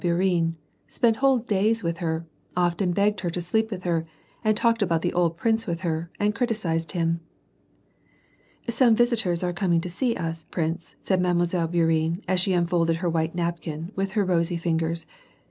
Bourienne, spent whole days with her, often begged her to sleep with her, and talked about the old prince with her and criticised him. " So some visitors are coming to see us, prince," said ^Clle. Bourienne, as she unfolded her white napkin with her rosy fingers.